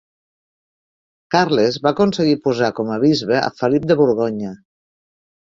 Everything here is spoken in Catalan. Carles va aconseguir posar com a bisbe a Felip de Borgonya.